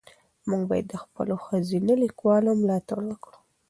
موږ باید د خپلو ښځینه لیکوالو ملاتړ وکړو.